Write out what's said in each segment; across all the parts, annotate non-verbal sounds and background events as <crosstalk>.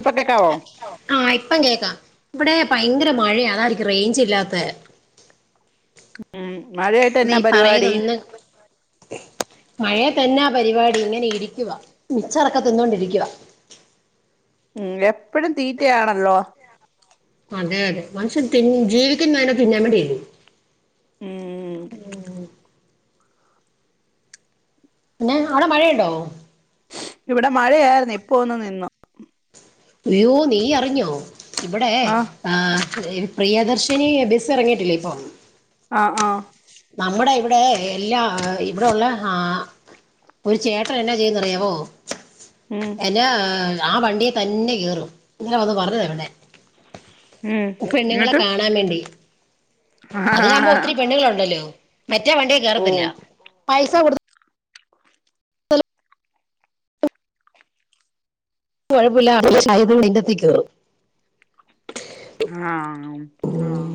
ഇപ്പൊ കേക്കാവോ ആഹ, ഇപ്പം, കേക്ക ഇവിടെ, ഭയങ്കര, മഴയാ, തായിരിക്കും, റേഞ്ച്, ഇല്ലാത്ത ഉം മഴയായിട്ട് ഇത, എന്നാ ഈ, പറയത, പരിപാടി ഒന്ന് മഴയത്ത് എന്നാ പരിപാടി? ഇങ്ങനെ, ഇരിക്കുവ മിച്ചറൊക്കെ തിന്നൊണ്ടിരിക്കുവ. <inaudible> മ്മ്. എപ്പഴും തീറ്റയാണല്ലോ? അതെ അതെ. മനുഷ്യൻ തിൻ ജീവിക്കുന്നന്നെ തിന്നാൻ വേണ്ടിയല്ലെ. മ്മ്, മ്മ് പിന്നെ അവിടെ മഴയുണ്ടോ? ഇവിടെ മഴയായിരുന്നു. ഇപ്പൊന്നു നിന്നു. അയ്യോ നീ അറിഞ്ഞോ ഇവിടെ ആഹ് ആ പ്രിയദർശിനി ബസ്റങ്ങിട്ടില്ലേ, ഇപ്പൊ ആ, ആ നമ്മുടെ ഇവിടെ എല്ലാ ഇവിടോളെ ആ ഒരു ചേട്ടൻ എന്നാ ചെയെന്നറിയാവോ ഉം എന്ന ആ വണ്ടിയെ തന്നെ കേറും. ഇന്നലെ വന്ന് പറഞതവിടെ ഉം. എന്നിട്ട് ആ അതിലാമ്പോ ഒത്തിരി പെണ്ണുങ്ങളുണ്ടല്ലോ. മറ്റേ വണ്ടിയെ ഓ കേറത്തില്ല. പൈസ കൊടുത് കുഴപ്പമില്ലാ. <unintelligible> കേറും ആം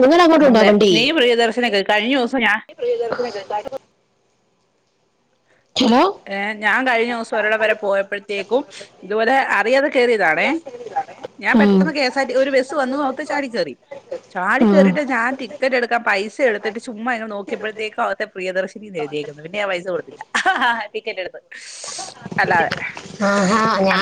നിങ്ങടെങ്ങങ്ങോട്ടുണ്ടോ ആ അതെ വണ്ടി നീ പ്രിയദർശനൊക്കെ കഴിഞ്ഞ ദിവസം ഞാൻ ഹലോ ഞാൻ കഴിഞ്ഞ ദിവസം ഒരാടെവരെ പോയപ്പോഴത്തേക്കും ഇതുപോലെ അറിയാതെ കെറിയതാണേ ഞാൻ ഉം പെട്ടെന്ന് കെസാ ആർടി ഒരു ബസ് വന്നു അവത്തെ ചാടി കയറി ചാടി ഉം കയറിട്ട് ഞാൻ ടിക്കറ്റ് എടുക്കാൻ പൈസ എടുത് ത്തിട്ട് ചുമ്മാ ഇങ്ങ് നോക്കിയപ്പോഴത്തേക്കും, അവത്തെ പ്രിയദർശിനിന്ന് എഴുതിയേക്കുന്നു. പിന്നെ ഞാൻ പൈസ കൊടുത്തില്ല ടിക്കറ്റ് എടുത്ത് അല്ലാതെ ആഹാ ഞ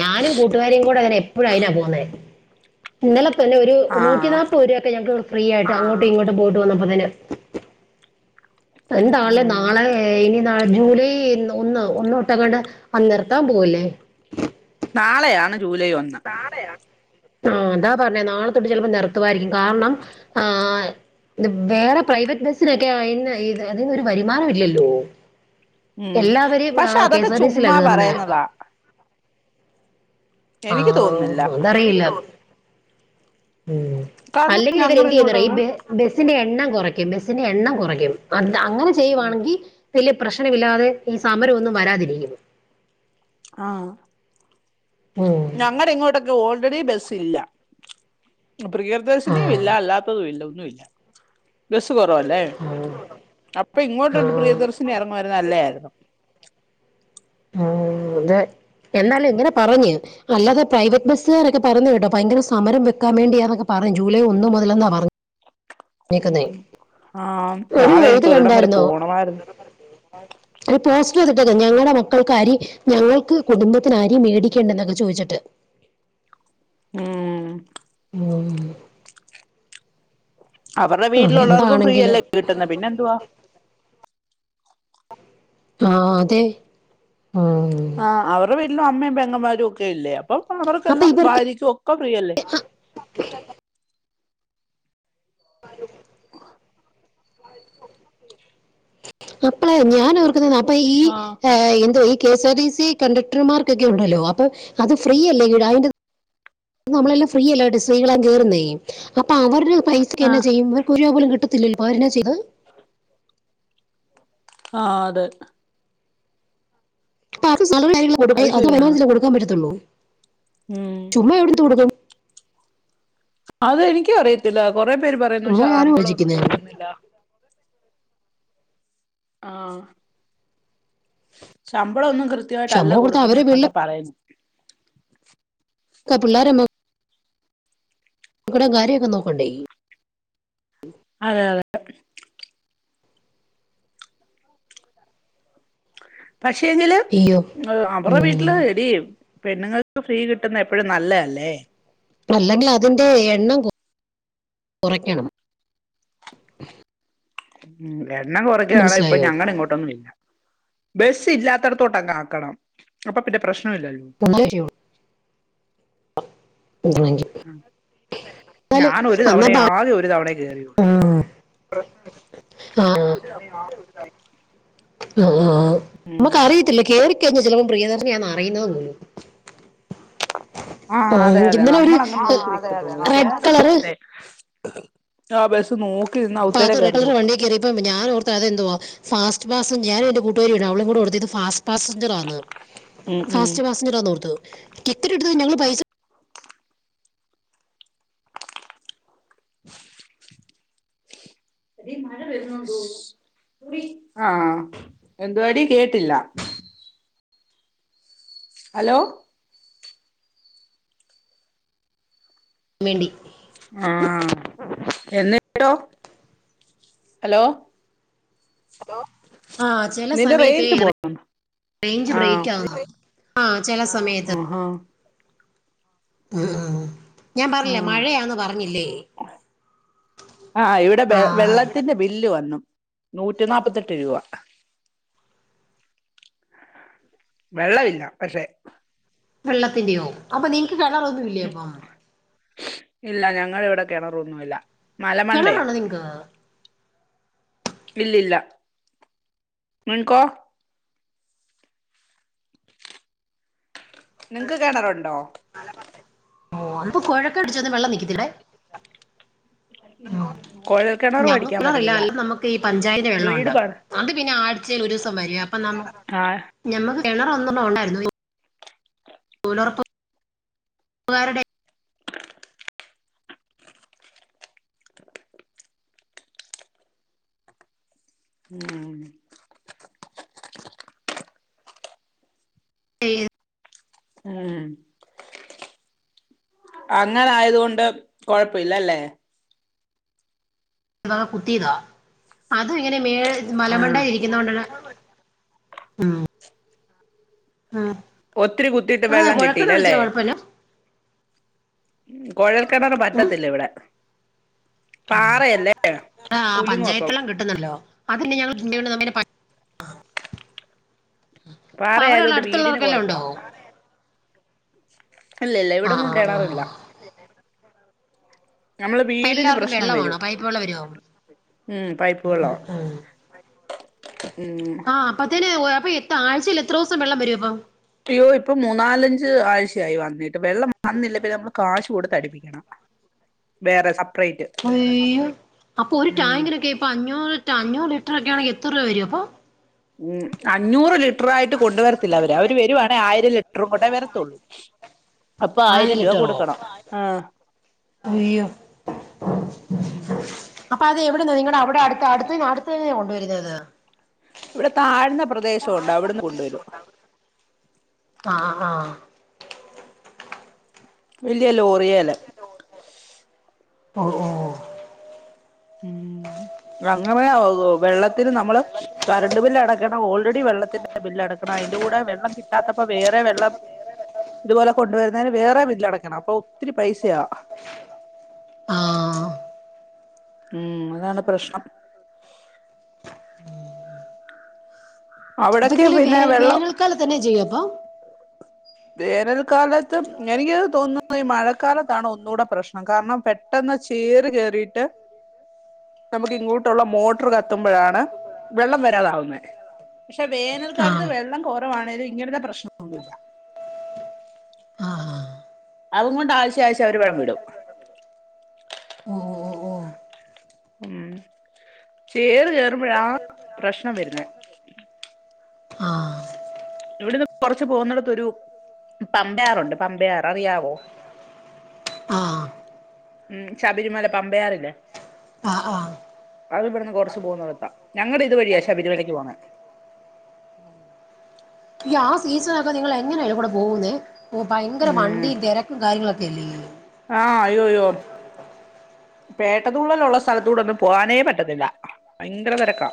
ഞാനും കുട്ടുകാരിം കൂടെങ്ങനെ എപ്പോ പ്പഴും അയിനാ പോന്നേ. ഇന്നലെ തന്നെ ഒരു ആഹ് നൂറ്റിനാല്പ്പതു രൂപയോക്കെ ഞങ്ങക്ക് ഫ്രീ ആയിട്ട് അങ്ങോട്ടും ഇങ്ങോട്ടും പോയിട്ട് വന്നപ്പതെന് എന്താലെ ഉം നാളെ ഇനി നെ ജൂലൈ ഒന്ന് ഒന്നെട്ടങ്ങാണ്ട് അ നിർത്താൻ പോവലേ നാളെയാണ് ജൂലൈ ഒന്ന് ആഹ അതാ പറഞ്ഞെ നാളെതൊട്ട് ചെലപ്പോ നിർത്തുവായിരിക്കും. കാരണം ആഹ വേറെ പ്രൈവറ്റ് ബസ്സിനൊക്കെ എന്നാ ഇ അതിന്നൊരു ഒരു വരുമാനമില്ലല്ലോ ഉം എല്ലാവരെയും ആ പക്ഷെ അതൊക്കെ കെഎസ്ആർടിസിയില ചുമ്മാ കേറുന്നേ പറയുന്നതാ ങാ എനിക്ക് തോന്നുന്നില്ല അതറിയില്ല മ്മ് കാരണം അല്ലെങ്കിലിവർ ഞങ്ങള് എന്ത് ചെയ്യുന്നറിയോ ഇങ്ങോട്ടൊന്നും ഈ ബസിന്റെ എണ്ണം കൊറയ്ക്കും. ബസിന്റെ എണ്ണം കൊറയ്ക്കും. അ അങ്ങനെ ചെയ്യുവാണെങ്കി വല്യ പ്രശ്നമില്ലാതെ ഈ സമരമൊന്നും വരാതിരിക്കും ആഹ ഉം ഞങ്ങടെ ഇങ്ങോട്ടൊക്കെ ഓൾറെഡി ബസ് ല്ല. പ്രയദർശിനി ഇല്ല ആഹ് അല്ലാത്തതുമില്ല ഒന്നുല്ല ബെസ്സ് കുറവല്ലേ ആഹ് അപ്പൊ ഇങ്ങോട്ടൊരു ആഹ് പ്രിയദർശിനി എറങ്ങുവാരുന്നേ നല്ലതായിരുന്നു അതെ <unintelligible> എന്നാലും ഇങ്ങനെ പറഞ്ഞു അല്ലാതെ പ്രൈവറ്റ്ബസ്സുകാരൊക്കെ പറഞ്ഞു കേട്ടോ ഭയങ്കര സമരം വെക്കാൻ മേണ്ടിയാന്നൊക്കെ പറ ഞ്ഞ് ജൂലൈ ഒന്ന് മുതലെന്നാ പറഞ്ഞ ഞ്ഞെക്കുന്നെ. ആഹ് ഒരു നാളെ ഇത് എനിക്ക് ഒരിടം വരെ കണ്ടായിരുന്നോ? പോണമായിരുന്നു ഒരു പോസ് <inaudible> ഞങ്ങടെ മക്കൾക്ക് അരി ഞങ്ങൾക്ക് കുടുംബത്തിനരി മേടിക്കേണ്ടന്നൊക്കെ ചോയിച്ചിട്ട് <inaudible> ങാ അവർടെ ആഹ് വീട്ടിലൊള്ളവർക്കും എന്താണെങ്കിലും ഫ്രീയല്ലേ കിട്ടുന്നെ പിന്നെന്തുവാ? ആ അതെ. ഉം ആ അവർടെ വീട്ടിലും അമ്മേം പെങ്ങന്മാരും ഒക്കെ ഇല്ലേ. അപ്പൊ അപ്പൊ അവർക്കെല്ലാം ഇവർക്ക് ഭാര്യക്കും ഒക്കെ ഫ്രീയല്ലേ? അപ്പളെ ഞാനോർ അപ്പൊ ഈ ആഹ് എന്തോ K S R T C കണ്ടക്ടർമാർക്കൊക്കെ ഒണ്ടല്ലോ അപ്പൊ അത് ഫ്രീയല്ലേ <unintelligible> നമ്മളെല്ലാം ഫ്രീയല്ലായിട്ട് സ്ത്രീകളെ കേറുന്നേ അപ്പൊ അവർടെ പൈസക്ക് തന്നെ ആഹ് ചെയ്യുമ്പോ അവർക്കൊരൂപപോലും കിട്ട <inaudible> ആ അതെ. അപ്പൊ അവർക്ക് അത് ശരിയാണ് കൊടുക്കാൻ പറ്റത്തൊള്ളൂ. <unintelligible> ഉം ചുമ്മാ എവിട <unintelligible> അത് എനിക്കു അറിയത്തില്ല കൊറെ പേര് പറയുന്നു ക്ഷ അതാ ഞാനും ശമ്പളൊന്നും ആലോചിക്കുന്നേ കൊടുക്കുന്നില്ല ആ ശമ്പളം ഒന്നും കൃ കൃത്യായിട്ടല്ല ശമ്പളം കൊടുത്ത അവരെ വീട്ടിലെ കൊടുക്കുന്നേന്നൊക്കെ പറയുന്ന്. ക പിള്ളാരമ്മം. കാര്യൊക്കെ നോക്കണ്ടേ. <unintelligible> അതെ അതെ. പക്ഷെങ്കില് അയ്യോ അവറെ ഉം. വീട്ടില് എടീ പെണ്ണുങ്ങൾക്ക് ഫ്രീ കിട്ട്ന്ന എപ്പഴും നല്ലെയല്ലേ അല്ലെങ്കിൽ അതിന്റെ എണ്ണം കൊറക്കണം. ഉം എണ്ണം കൊറയ്ക്കുവാണെ ഇപ്പൊ മനസ്സിലായോ ഞങ്ങളിങ്ങോട്ടൊന്നുവില്ല. ബെസ്സ് ഇല്ലാത്തടത്തോട്ട് അങ്ങ് ആക്കണം അപ്പൊ പിന്നെ പ്രശ്നവില്ലല്ലോ. എന്നാലേ ചെയ്യുള്ളൂ. എന്നാണെങ്കി. എന്നാല് ഞാനൊരു അന്നാ തവണേ ബാ- ആകെ ഒരു തവണേയേ കേറിയൊള്ളു. ഉം. ആ ആ ആ ഉം നമ്മക്കറിയത്തില്ല കേറി ചിലപ്പോ പ്രിയദർശിനിയാന്നറിയിന്നത് പോലൂ ആ അതെ അതെ നമ്മളങ്ങനെ നോക്കി അതെ അതെ നിക്കത്തോള്ളൂ റെഡ് കളറ് <unintelligible> ആ ബെസ് നോ അപ്പൊ അത് വണ്ടി കയറിയപ്പോ ഞാൻ ഓർത്തതെന്തുവാ ഫാസ്റ്റ് <unintelligible> ഞാനും എന്റെ കൂട്ടുകാരിയാണ് അവളും കൂടെഓടുത്തത് ഫാസ്റ്റ് പാസഞ്ചർ ആണ് ഉം ഉം ഫാസ്റ്റ് പാസഞ്ചർ ആന്നോർത്തൂ ടിക്കറ്റ് എടുത്ത ഞങ്ങള് പൈസ അതേ മഴ വരുന്നെന്ന് തോ ആ എന്തുവടി കേട്ടില്ല. ഹലോ? <inaudible> ആ എന്നട്ടോ, ഹലോ? ആ ചെല നിന്റെ സമയത്തേ റേഞ്ച് പോ റേഞ്ച് ആഹ് ബ്രേക്ക് ആക്ന്ന് ആ ചെല സമയത്ത്. ആഹാ ഉം ഞാൻ പറഞ്ഞ്ലേ ആഹ് മഴയാന്നു പറഞ്ഞില്ലേ. ആ ഇവിടെ വെ ആ വെള്ളത്തിന്റെ ബില്ല് വന്നു. നൂറ്റി നാൽപ്പത്തെട്ട് രൂപ. വെള്ളവില്ല പക്ഷെ വെള്ളത്തിന്റെയോ? അപ്പൊ നിങ്ങക്ക് കെണറൊന്നുവില്ലേ അപ്പം. ഇല്ലഞങ്ങളിവിടെ കിണറൊന്നുല്ല കിണറുള്ളത് <unintelligible> ഇല്ലില്ല മൺകോ നിങ്ങ്ക്ക് കിണറുണ്ടോ? അപ്പൊപുഴക്കഅടിച്ചത് വെള്ളം <unintelligible> <unintelligible> അടിക്കാൻ ഞങ്ങക്കിണറിയില്ല പറ്റത്തില്ല അല്ലനമുക്ക് ഈപഞ്ചായന്റെ വീട് വെള്ളണ്ട് പ അത്പിന്നെ ആഴ്ചൽ ഒരൂസംവരം അപ്പൊന നമുക്ക് ആഹ <unintelligible> <unintelligible> ഉം <unintelligible> ആഹ അങ്ങളായതൊണ്ട് കൊഴപ്പില്ലല്ലേ? <unintelligible> മേൽ ആ മലമണ്ടയിരിക്കുതുകൊണ്ട് <inaudible> ആഹ ഒത്തിരികുത്തീട്ട് ആ കുഴൽക്കിണർ വെള്ളംകിട്ടീലല്ലേ? വെച്ചാ കുഴപ്പമില്ല കോഴൽകെണറ് ഉം പറ്റത്തില്ലവിടെ <inaudible> ആ കുലുങ്ങും അപ്പം പഞ്ചായത്ത്ള്ളം കിട്ടുന്നല്ലോ അതന്നെഞങ്ങള് <unintelligible> അപ്പൊഅവിടെള്ള പാറയായതുകൊണ്ട് വീടിന് അടുത്തുള്ളവർക്കെല്ലാണ്ടോ? കുഴപ്പമാ ഇല്ല്യഇല്ല്യ ആ ഇവിടൊന്നുംകെണാറില്ല ആ നമ്മള് അപ്പൊ എല്ലാവർക്കും വീടിന്പ്രശ്നംവരും വെള്ളമാണോ പൈപ്പ് വെള്ളം വരുവോ ഉം പൈപ്പ് വെള്ളോ ആഹഅപ്പ്ത്ത്ന് അപ്പൊ എ ആഴ്ചയി ലെത്രൊസ്സം വെള്ളംവരുംപ്പൊ? അയ്യോ ഇപ്പംമൂന്നാലഞ്ച് ആഴ്ചയായിവന്നിട്ട് വെള്ളംവന്നില്ലപ്പെ പിന്നെമ്മള് കാശ്കൊടുത്ത്അടിപ്പിക്കണം <unintelligible> അയ്യോ അപ്പൊരു ഉം ടാങ്കിനൊക്കെ ഇപ്പൊഅഞ്ഞൂറ്റ് അഞ്ഞൂറ്ലിറ്ററൊക്കെ ആ അത്രവരോ അപ്പോ ഉം അഞ്ഞൂറ്ലി ലിറ്ററായിട്ട്കൊണ്ടുവരത്തില്ലവര് അവര്വരുവാണെആയിരംലിറ്ററും കൊണ്ടെവരത്തുള്ളൂ അപ്പൊആയിര ആയിരം രൂപ ലിറ്ററോ കൊടുക്കണം ആഹ അയ്യോ <inaudible> അപ്പൊഅത് എവിടെന്നനിങ്ങ്ടെ അവിടെ അടുത്ത് അടുത്തഅടുത്തന്നെയാണ് കൊണ്ടുവരുന്നത് ഇവിടെ താഴ്ന്നപ്രദേശോണ്ട് അവിടുന്ന്കൊണ്ടുവരും ആഹ് ആഹ് വലിയ ലോറിയെല്ല് ഓ ഓ ഉം <unintelligible> വെള്ളത്തിന്നമ്മള് കറണ്ട്ബില്ല്അടക്കണം ഓൾറെഡി വെള്ളത്തിന്റെബില്ല് അടക്കണം അയിന്റെകൂടെ വെള്ളംകിട്ടാത്ത വേറെവെള്ളം ഇതുപോലെ കൊണ്ടുവര്ന്നതിന് വേറെബില്ലടക്കണം അപ്പൊഒത്തിരി പൈസയാ ആഹ ഉം അതാണ്പ്രശ്നം അവിടൊക്കെ അപ്പൊനിങ്ങള് വേ പിന്നെ വെള്ളം വേനൽക്കാലത്ത്എന്നെ ചെയ്യുവപ്പൊ? വേനൽക്കാലത്ത് എനിക്ക്തോന്നുന്നു ഈ മഴക്കാലത്താണ്ഒന്നുകൂടെപ്രശ്നം കാരണംപെട്ടെന്ന് ചീറ് കേയറിയിട്ട് <inaudible> നമുക്ക്ഇങ്ങോട്ടുള്ള മോട്ടർകത്തുമ്പോഴാണ് വെള്ളംവരാതാവുന്നെ പക്ഷെ വേനൽക്കാലത് ആഹ് വെള്ളം കുറവാണേലുംഇങ്ങനത്തെപ്രശ്നമൊന്നുല്ല ആഹ് അവ കൊണ്ട് ആഴ്ചയാഴ്ച അവര് <unintelligible> വിടും ഓ ഓ ഓ ഉം ചേറ് കേയറുമ്പോഴാ പ്രശ്നം വരുന്നെ ആഹ് ഇവിടെന്ന് കൊറച്ചു പോകുന്നിടത്തൊരു പമ്പയാറുണ്ട് പമ്പയാർ അറിയാവോ <inaudible> ഉം ശബരിമല പമ്പയാറില്ലേ ആഹ് ആഹ് അത് ഇവിടുന്ന് കൊറച്ചു പോകുന്നോടത്ത ഞങ്ങടെ ഇതുവഴിയ ശബരിമലക്ക് പോന്നെ <unintelligible> യ്യാ സീസണൊക്കെ നിങ്ങളെങ്ങനെ അയ്‌ലകൂടെ പോകുന്നെ പൊ ഭയങ്കര ഉം വണ്ടീ തെരക്കും കാര്യങ്ങളൊക്കെ ഇല്ലല്ലോ ആഹ അയ്യോ യ്യോർ പേട്ടതുള്ളലുള്ള സ്ഥലത്തൂടെ ഒന്നും പോവാനേ പറ്റത്തില്ല പയങ്കര തിരക്കാ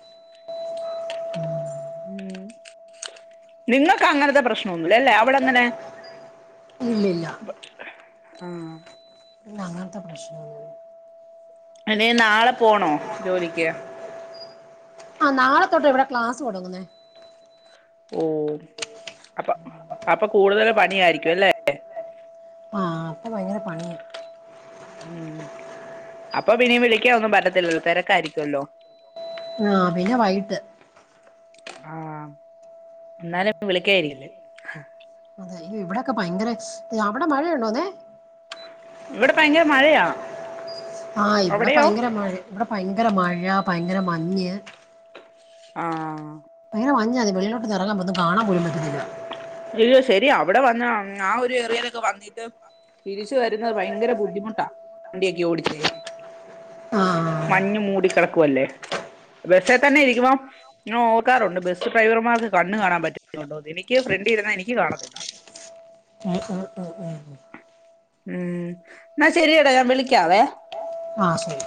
<unintelligible> ഉം നിങ്ങക്ക് അങ്ങനത്തെ പ്രശ്നമൊന്നു ഇല്ല ലെ അവിടെ എങ്ങനെ ഇല്ലില്ല ആഹ അങ്ങനത്തെ പ്രശ്നമൊന്നുമില്ല അനെ നാളെ പോണോ ജോലിക്ക് ആ നാളെ തോട്ട് ഇവിടെ ക്ലാസ് തുടങ്ങുന്നേ ഓ അപ്പൊ അപ്പൊ കൂടുതൽ പണി ആയിരിക്കും അല്ലേ ആഹ അപ്പൊ ഭയങ്കര പണിയ ഉം അപ്പൊ ഇനീ വിളിക്ക ഒന്നും പറ്റത്തില്ലല്ലോ തിരക്ക ആയിരിക്കുമല്ലോ ആഹ പിന്നെ വൈട്ട് ആഹ എന്നാലും വിളിക്കായിരിക്കല്ലെ ഇവിടെക്കെ ഭയങ്കര അവിടെ മഴ ഉണ്ടോന്നെ ഇവിടെ ഭയങ്കര മഴയാ ആഹ് ഇവടെ അവിടെയോ ഭയങ്കര മഴേ ഇവടെ ഭയങ്കര മഴാ ഭയങ്കര മഞ്ഞ് ആഹ ന്നല്ല മഞ്ഞാ വെളിലോട്ടൊന്നെ റങ്ങുമ്പോ ഒന്നും കാണാൻ പോലും പറ്റത്തില്ല അയ്യോ ശരിയാ അവിടെ വന്നാ ആ ഒരു ഏറിയേലൊക്കെ വന്നിട്ട് തിരിച്ചു വരുന്നത് ഭയങ്കര ബുദ്ധിമുട്ടാ വണ്ടിയൊക്കെ ഓടിച്ച് ആഹ് മഞ്ഞ് മൂടി കെടക്കുവല്ലേ ബസ്സേ തന്നെ ഇരിക്കുമ്പം നെ ഓർക്കാറുണ്ട് ബസ് ഡ്രൈവർമാർക്ക് കണ്ണ് കാണാൻ പറ്റുന്നുണ്ടോന്ന് എനിക്ക് ഫ്രണ്ടിരുന്ന എനിക്ക് കാണത്തില്ല ഉം ഉം ഉം ഉം ഉം എന്നാ ശെരിയെടാ ഞാൻ വിളിക്കാവേ ആഹ ശെരി